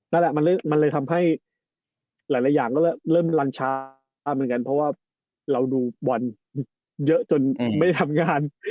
นั่นแหละมันเลยทำให้หลายอย่างก็เริ่มรังชาเหมือนกันเพราะว่าเราดูบอลเยอะจนไม่ได้ทำงาน